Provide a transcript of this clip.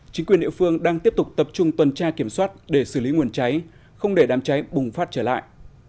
chính quyền địa phương đang tiếp tục tập trung tuần tra kiểm soát để xử lý nguồn cháy không để đám cháy bùng phát trở lại